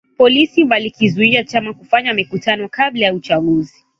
Polisi walikizuia chama kufanya mikutano kabla ya uchaguzi